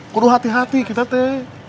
perlu hati hati kita teh